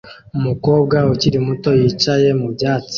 Umukobwa ukiri muto yicaye mu byatsi